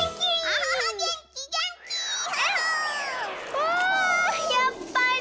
うわやっぱり。